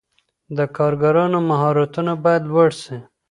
د کارګرانو مهارتونه باید لوړ سي.